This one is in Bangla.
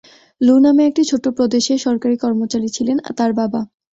লু নামে একটি ছোট প্রদেশের সরকারি কর্মচারী ছিলেন তার বাবা।